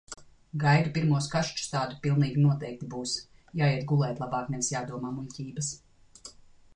Gaidu pirmos kašķus, tādi pilnīgi noteikti būs. Jāiet gulēt labāk, nevis jādomā muļķības.